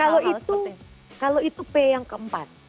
kalau itu kalau itu p yang keempat